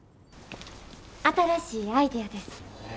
新しいアイデアです。